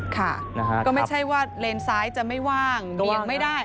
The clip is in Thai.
ค่ะก็ไม่ใช่ว่าเลนซ้ายจะไม่ว่างเบี่ยงไม่ได้